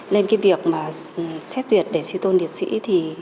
nên việc xét duyệt để suy tôn liệt sĩ